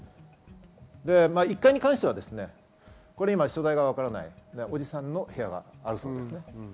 １階に関しては、所在がわからない伯父さんの部屋があるそうですね。